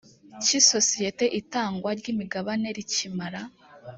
cy isosiyite itangwa ry imigabane rikimara